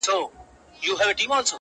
اشنا د بل وطن سړی دی.!